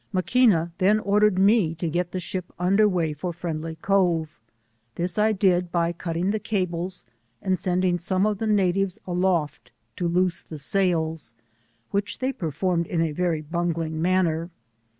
Maquina then ordered me to get the ship under weigh for Friendly Cove. This I did by cutting the cables, and^ sending some of the natives aloft 1o loose the sails, which they performed in a very bungling manner.